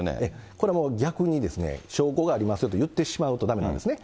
これはもう逆にですね、証拠がありますよって言ってしまうとだめなんですね。